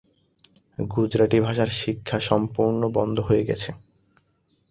গুজরাটি ভাষার শিক্ষা সম্পূর্ণ বন্ধ হয়ে গেছে।